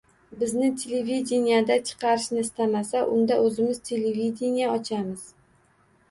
Bizni televidenieda chiqarishni istashmasa, unda oʻzimiz televidenie ochamiz!